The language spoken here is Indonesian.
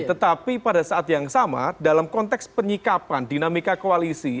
tetapi pada saat yang sama dalam konteks penyikapan dinamika koalisi